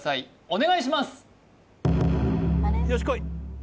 お願いします！